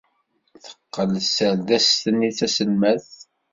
Teqqel tserdast-nni d taselmadt.